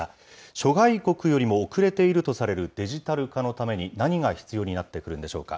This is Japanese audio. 諸外国よりも遅れているとされるデジタル化のために何が必要になってくるんでしょうか。